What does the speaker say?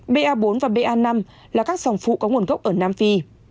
ba bốn và ba năm là các dòng phụ có nguồn gốc ở nam phi